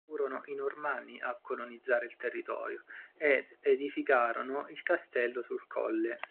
Furono i Normanni a colonizzare il territorio ed edificarono il castello sul colle.